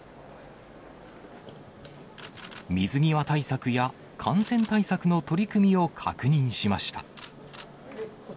水際対策や、感染対策の取り組みを確認しました。